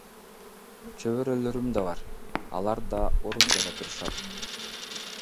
Чөбөрөлөрүм да бар, алар да Орусияда турушат.